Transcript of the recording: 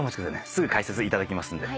すぐ解説いただきますんで。